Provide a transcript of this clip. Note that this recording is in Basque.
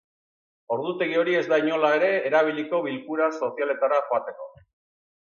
Ordutegi hori ez da inola ere erabiliko bilkura sozialetara joateko.